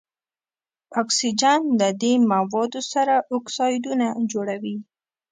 اکسیجن له دې موادو سره اکسایدونه جوړوي.